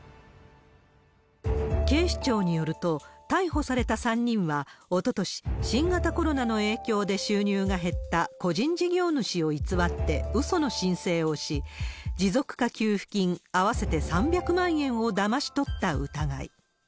警視庁によると、逮捕された３人は、おととし、新型コロナの影響で収入が減った個人事業主を偽ってうその申請をし、持続化給付金合わせて３００万円をだまし取った疑い。